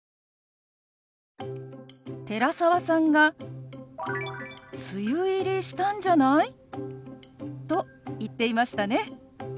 寺澤さんが「梅雨入りしたんじゃない？」と言っていましたね。